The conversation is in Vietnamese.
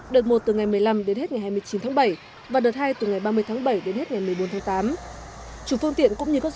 đợt một từ ngày một mươi năm đến hết ngày hai mươi chín tháng bảy và đợt hai từ ngày ba mươi tháng bảy đến hết ngày một mươi bốn tháng tám